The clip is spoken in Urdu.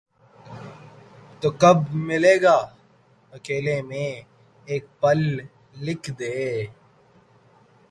تو کب ملے گا اکیلے میں ایک پل لکھ دے